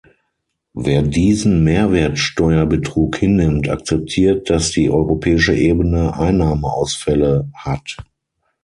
Wer diesen Mehrwertsteuerbetrug hinnimmt, akzeptiert, dass die europäische Ebene Einnahmeausfälle hat.